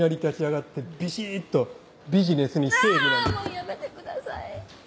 もうやめてください。